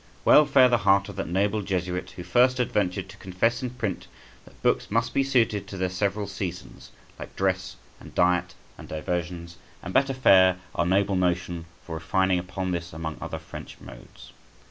Well fare the heart of that noble Jesuit who first adventured to confess in print that books must be suited to their several seasons, like dress, and diet, and diversions; and better fare our noble notion for refining upon this among other French modes.